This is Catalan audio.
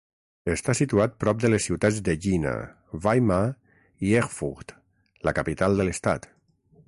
Està situat prop de les ciutats de Jena, Weimar i Erfurt —la capital de l'estat—.